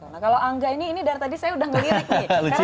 nah kalau angga ini ini dari tadi saya udah ngelirik nih